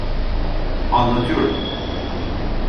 Anlatıyorum.